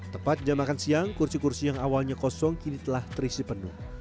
tepat jam makan siang kursi kursi yang awalnya kosong kini telah terisi penuh